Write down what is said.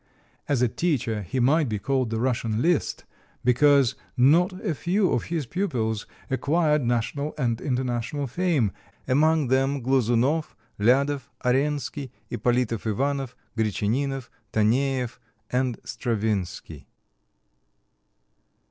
As a teacher he might be called the Russian Liszt, because not a few of his pupils acquired national and international fame; among them Glazounov, Liadov, Arensky, Ippolitov Ivanov, Gretchaninov, Taneiev (tah nay ev) and Stravinsky.